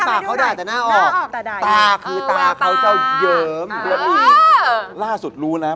ยังไงทำให้ดูกัน